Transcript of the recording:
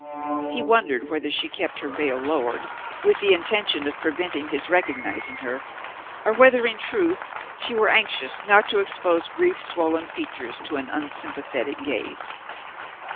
He wondered whether she kept her veil lowered with the intention of preventing his recognizing her, or whether in truth she were anxious not to expose grief swollen features to an unsympathetic gaze.